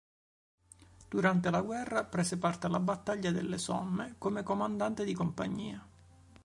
Durante la guerra prese parte alla Battaglia della Somme come comandante di compagnia.